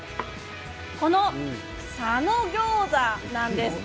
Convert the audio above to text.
この佐野餃子なんです。